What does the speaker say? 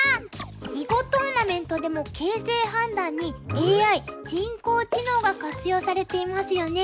「囲碁トーナメント」でも形勢判断にＡＩ人工知能が活用されていますよね。